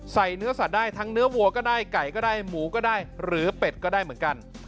เนื้อสัตว์ได้ทั้งเนื้อวัวก็ได้ไก่ก็ได้หมูก็ได้หรือเป็ดก็ได้เหมือนกัน